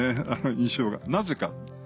印象がなぜか？